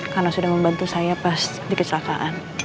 karena sudah membantu saya pas di kecelakaan